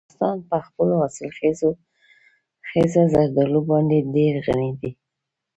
افغانستان په خپلو حاصلخیزه زردالو باندې ډېر غني دی.